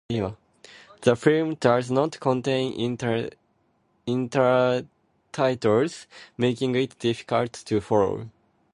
The film does not contain intertitles, making it difficult to follow.